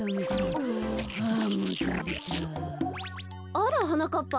あらはなかっぱ。